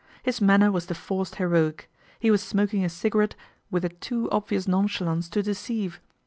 His manner was the forced heroic. He was smoking a cigarette with a too obvious nonchalance to deceive.